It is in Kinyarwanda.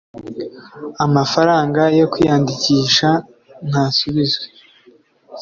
amafaranga yo kwiyandikisha ntasubizwa